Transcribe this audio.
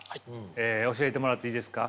教えてもらっていいですか。